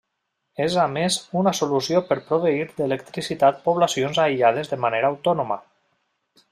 És a més una solució per proveir d’electricitat poblacions aïllades de manera autònoma.